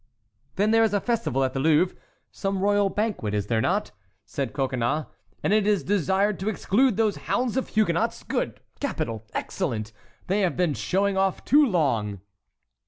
"Then there is a festival at the Louvre—some royal banquet, is there not?" said Coconnas; "and it is desired to exclude those hounds of Huguenots,—good, capital, excellent! They have been showing off too long."